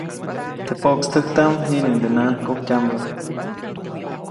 Teʼ pokstäjtaʼm jiʼnuŋdenaʼak kujtyaʼmbä.